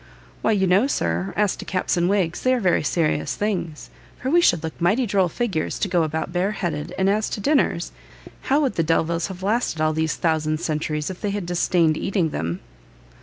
"Why, you know, Sir, as to caps and wigs, they are very serious things, for we should look mighty droll figures to go about bare headed; and as to dinners, how would the Delviles have lasted all these thousand centuries if they had disdained eating them?"